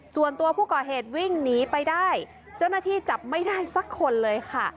ส่วนตัวผู้ก่อเหตุวิ่งหนีไปได้เจ้าหน้าที่จับไม่ได้สักคนเลยค่ะ